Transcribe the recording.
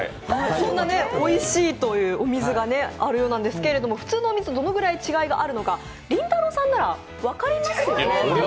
そんなおいしいというお水があるようなんですけど普通のお水とどのくらい違いがあるのか、りんたろーさんなら分かりますよね。